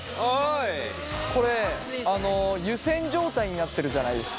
これ湯せん状態になってるじゃないですか。